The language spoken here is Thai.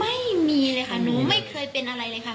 ไม่มีเลยค่ะหนูไม่เคยเป็นอะไรเลยค่ะ